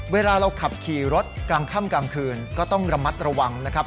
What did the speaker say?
เวลาเราขับขี่รถกลางค่ำกลางคืนก็ต้องระมัดระวังนะครับ